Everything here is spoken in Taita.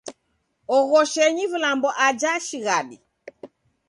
Oghoshenyi vilambo aja shighadi.